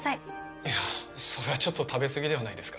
いやそれはちょっと食べ過ぎではないですか？